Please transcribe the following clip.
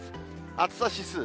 暑さ指数。